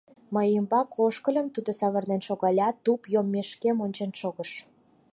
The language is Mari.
Мый умбак ошкыльым, тудо савырнен шогалят, туп йоммешкем ончен шогыш...